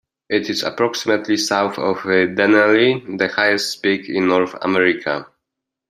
It is approximately south of Denali, the highest peak in North America.